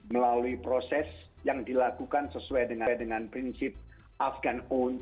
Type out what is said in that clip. melalui proses yang dilakukan sesuai dengan prinsip afgan one